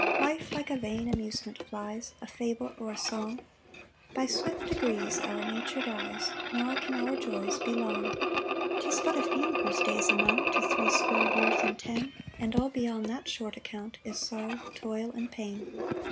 3 Life like a vain amusement flies, A fable or a song; By swift degrees our nature dies, Nor can our joys be long. 4 'Tis but a few whose days amount To threescore years and ten, And all beyond that short account is sorrow, toil, and pain.